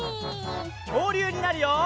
きょうりゅうになるよ！